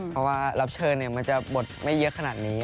เพราะว่ารับเชิญมันจะบทไม่เยอะขนาดนี้